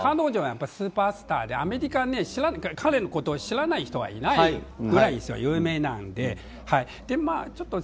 スーパースターでアメリカで彼のことを知らない人はいないくらい有名なので。